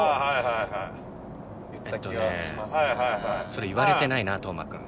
それ言われてないな斗真君。